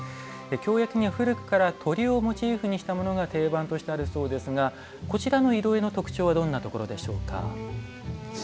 京焼には古くから鳥をモチーフにしたものが定番としてあるそうですがこちらの色絵の特徴はどんなところでしょうか？